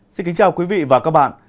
xin kính chào quý vị và các bạn